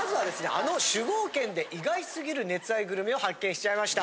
あの酒豪県で意外過ぎる熱愛グルメを発見しちゃいました。